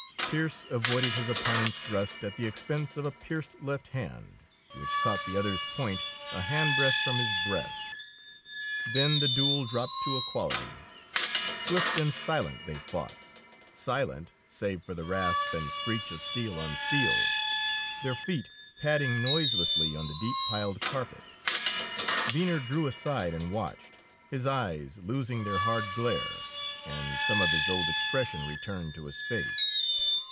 Pearse avoided his opponent's thrust at the expense of a pierced left hand, which caught the other's point a hand breadth from his breast. Then the duel dropped to equality. Swift and silent they fought, silent save for the rasp and screech of steel on steel, their feet padding noiselessly on the deep piled carpet. Venner drew aside and watched, his eyes losing their hard glare, and some of his old expression returned to his face.